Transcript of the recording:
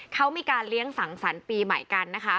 เขามีการเลี้ยงสังสรรค์ปีใหม่กันนะคะ